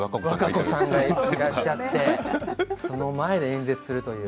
和歌子さんがいらっしゃってその前で演説するという。